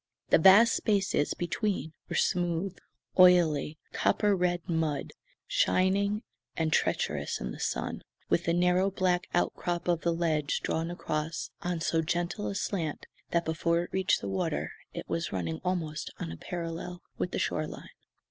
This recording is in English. The vast spaces between were smooth, oily, copper red mud, shining and treacherous in the sun with the narrow black outcrop of the ledge drawn across on so gentle a slant that before it reached the water it was running almost on a parallel with the shoreline.